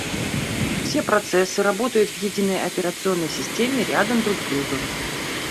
Все процессы работают в единой операционной системе, рядом друг с другом